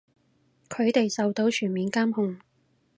佢哋受到全面監控